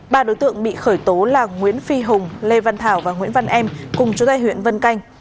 ba đối tượng bị khởi tố là nguyễn phi hùng lê văn thảo và nguyễn văn em cùng chú tại huyện vân canh